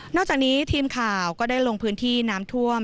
จากนี้ทีมข่าวก็ได้ลงพื้นที่น้ำท่วม